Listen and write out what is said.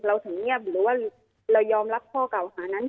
เราถึงเงียบหรือว่าเรายอมรับข้อเก่าหานั้น